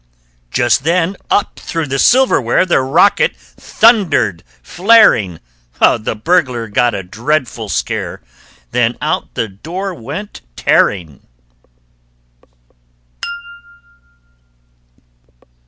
Just then, up through the silverware The rocket thundered, flaring! The Burglar got a dreadful scare; Then out the door went tearing.